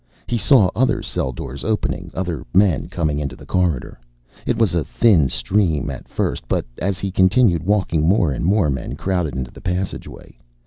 He saw other cell doors opening, other men coming into the corridor. It was a thin stream at first; but as he continued walking, more and more men crowded into the passageway.